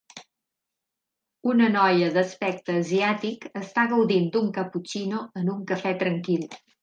Una noia d'aspecte asiàtic està gaudint d'un cappuccino en un cafè tranquil